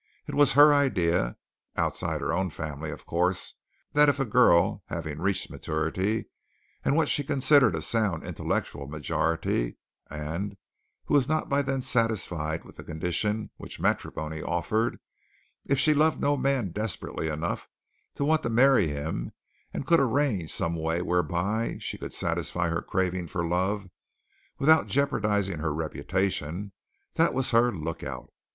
It was her idea, outside her own family, of course, that if a girl having reached maturity, and what she considered a sound intellectual majority, and who was not by then satisfied with the condition which matrimony offered, if she loved no man desperately enough to want to marry him and could arrange some way whereby she could satisfy her craving for love without jeopardizing her reputation, that was her lookout.